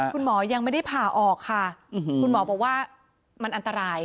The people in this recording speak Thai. คุณหมอยังไม่ได้ผ่าออกค่ะคุณหมอบอกว่ามันอันตราย